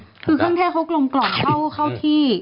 คือเครื่องเทศเขากลมเข้าที่